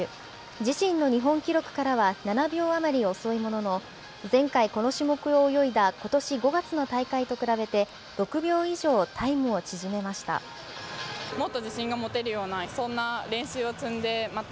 自身の日本記録からは７秒余り遅いものの、前回、この種目を泳いだことし５月の大会と比べて、６秒以上タイムを縮めました。